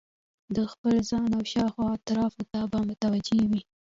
د خپل ځان او شاوخوا اطرافو ته به متوجه وي